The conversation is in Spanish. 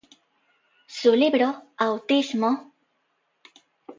Su libro "Autismo.